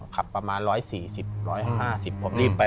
ขับประมาณ๑๔๐๑๕๐ผมรีบไป